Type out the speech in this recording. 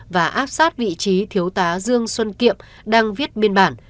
và áp sát vị trí thiếu tá dương xuân kiệm đang viết biên bản